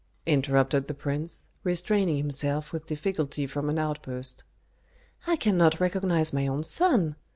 interrupted the prince, restraining himself with difficulty from an outburst. "I cannot recognize my own son.